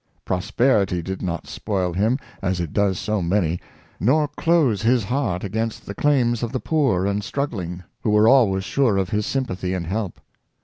Prosperity did not spoil him, as it does so many, nor close his heart against the claims of the poor and struggling, who were always sure of his sympathy and help.